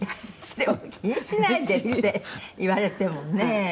でも、「気にしないで」って言われてもねえ。